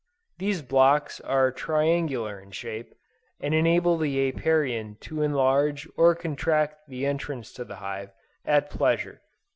These blocks are triangular in shape, and enable the Apiarian to enlarge or contract the entrance to the hive, at pleasure.